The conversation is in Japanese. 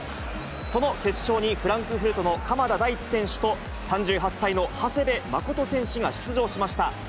その決勝に、フランクフルトの鎌田大地選手と、３８歳の長谷部誠選手が出場しました。